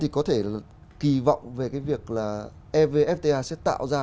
có thể kỳ vọng evfta sẽ tạo ra